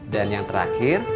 dan yang terakhir